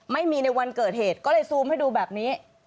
ไม่มีในวันเกิดเหตุก็เลยซูมให้ดูแบบนี้